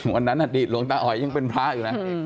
วันนั้นอดีตลงตาออยยังเป็นพระอยู่นะ